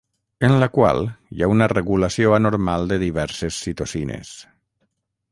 En la qual hi ha una regulació anormal de diverses citocines.